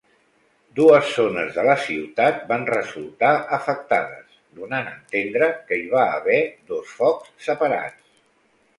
Dues zones de la ciutat van resultar afectades, donant a entendre que hi va haver dos focs separats.